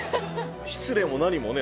失礼も何もね